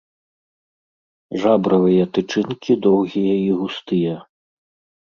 Жабравыя тычынкі доўгія і густыя.